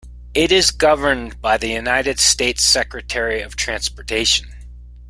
It is governed by the United States Secretary of Transportation.